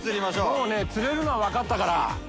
もうね釣れるのは分かったから。